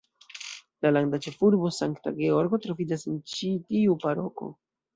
La landa ĉefurbo, Sankta Georgo troviĝas en ĉi tiu paroko.